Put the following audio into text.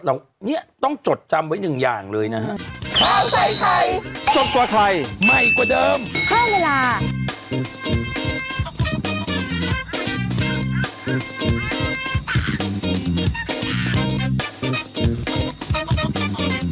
เราเนี่ยต้องจดจำไว้หนึ่งอย่างเลยนะฮะ